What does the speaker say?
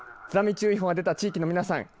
津波注意報が出た地域の皆さん